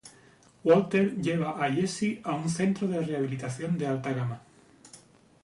Walter lleva a Jesse a un centro de rehabilitación de alta gama.